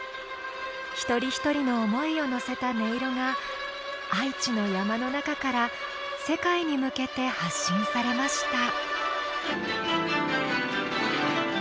一人一人の思いを乗せた音色が愛知の山の中から世界に向けて発信されました